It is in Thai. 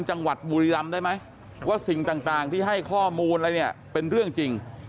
จังหวัดบุรีรำได้ไหมว่าสิ่งต่างที่ให้ข้อมูลอะไรเนี่ยเป็นเรื่องจริง